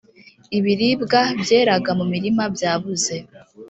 ibiribwa byeraga mu mirima byabuze